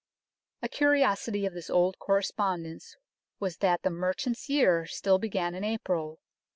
A curiosity of this old correspondence was that the merchant's year still began in April.